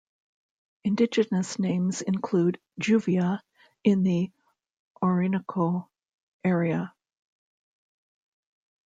Indigenous names include "juvia" in the Orinoco area.